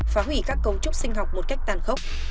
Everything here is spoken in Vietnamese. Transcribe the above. phá hủy các cấu trúc sinh học một cách tàn khốc